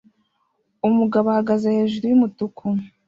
Umugabo ahagaze hejuru yumutuku